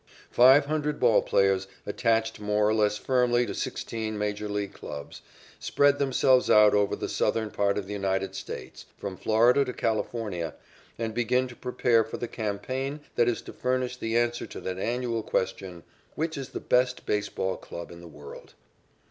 Five hundred ball players, attached more or less firmly to sixteen major league clubs, spread themselves out over the southern part of the United States, from Florida to California, and begin to prepare for the campaign that is to furnish the answer to that annual question, "Which is the best baseball club in the world?"